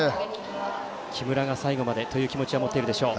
木村が最後までという気持ちは持っているでしょう。